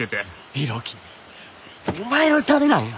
浩喜お前のためなんや。